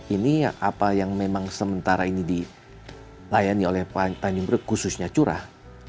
ini apa yang memang sementara ini dilayani oleh tanjung priuk khususnya curah